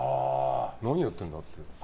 何やってるんだ？って。